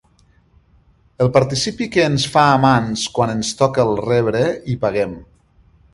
El participi que ens fan a mans quan ens toca el rebre i paguem.